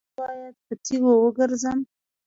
ایا زه باید په تیږو وګرځم؟